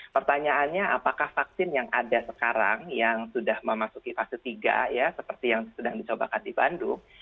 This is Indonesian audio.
pertanyaannya apakah vaksin yang ada sekarang yang sudah memasuki fase tiga ya seperti yang sedang dicobakan di bandung